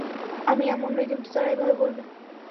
আমি এমন নই, কিন্তু তারা এভাবে বলবে।